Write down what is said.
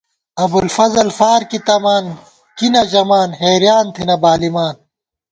ابُوالفضل فارکی تمان کی نہ ژَمان حېریان تھنہ بالِمان